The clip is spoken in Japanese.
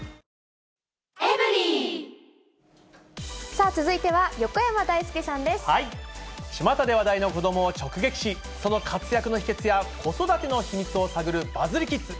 さあ、続いては、横山だいすちまたで話題の子どもを直撃し、その活躍の秘けつや、子育ての秘密を探るバズリキッズ。